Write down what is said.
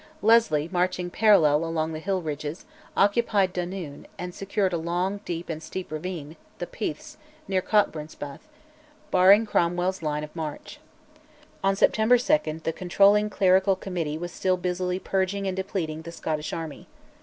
Leslie, marching parallel along the hill ridges, occupied Doonhill and secured a long, deep, and steep ravine, "the Peaths," near Cockburnspath, barring Cromwell's line of march. On September 2 the controlling clerical Committee was still busily purging and depleting the Scottish army.